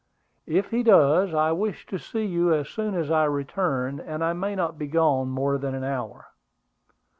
If he does, I wish to see you as soon as I return; and I may not be gone more than an hour."